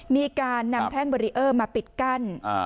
มีการนำแท่งเบรีเออร์มาปิดกั้น